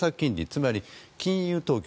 つまり、金融当局